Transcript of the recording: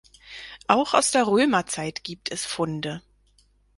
Auch aus der Römerzeit gibt es Funde.